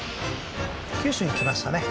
九州行きましたね